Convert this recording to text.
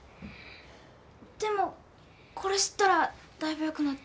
でもこれ吸ったら大分よくなって。